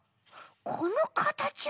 このかたちは！